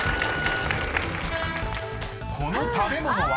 ［この食べ物は？］